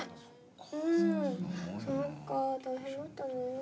うんそっか大変だったねぇ。